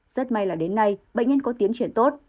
rất may là đến nay bệnh nhân có tiến triển tốt